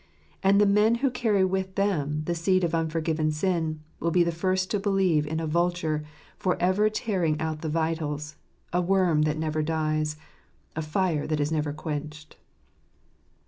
And the men who carry with them the sense of unforgiven sin, will be the first to believe in a vulture for ever tearing out the vitals, a worm that never dies, a fire that is never quenched.